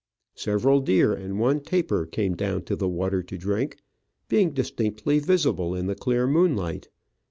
Several deer and one tapir came down to the water to drink, being distinctly visible in the clear moonlight.